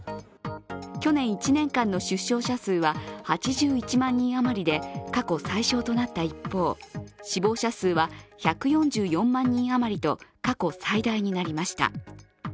去年１年間の出生者数は８１万人あまりで過去最少となった一方、死亡者数は１４４万人あまりと過去最大になりました。